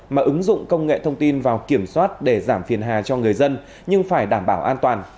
mà ứng dụng công nghệ thông tin vào kiểm soát để giảm phiền hà cho người dân nhưng phải đảm bảo an toàn